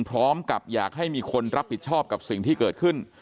พร้อมกับอยากให้มีคนรับผิดชอบกับสิ่งที่เกิดขึ้น